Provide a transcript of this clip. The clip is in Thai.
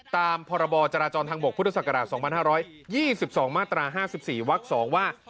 ตามพรจทบพศ๒๕๒๒มาตร๕๔ว๒ว่า